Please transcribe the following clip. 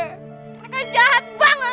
mereka jahat banget